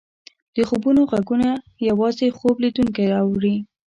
د خوبونو ږغونه یوازې خوب لیدونکی اوري.